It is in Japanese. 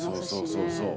そうそうそうそう。